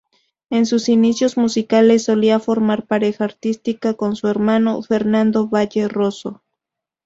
En sus inicios musicales solía formar pareja artística con su hermano, Fernando Valle Roso.